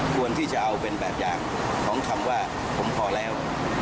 ควรที่จะเอาเป็นแบบอย่างของคำว่าผมพอแล้ว